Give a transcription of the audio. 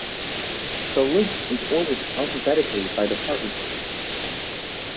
The list is ordered alphabetically by departments.